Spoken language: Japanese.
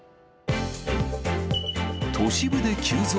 都市部で急増！